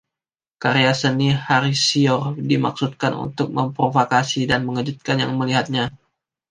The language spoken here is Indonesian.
Karya seni Hasior dimaksudkan untuk memprovokasi dan mengejutkan yang melihatnya.